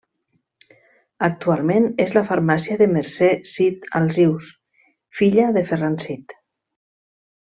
Actualment és la farmàcia de Mercè Cid Alsius, filla de Ferran Cid.